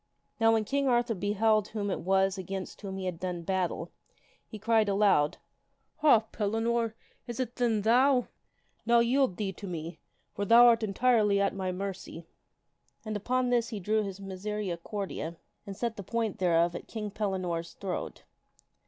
Now when King Arthur beheld whom it was against whom he had done battle, he cried out aloud, " Ha ! Pellinore, is it then thou ? Now yield thee to me, for thou art entirely at my mercy." And upon this he drew his misericordia and set the point thereof at King Pellinore's throat.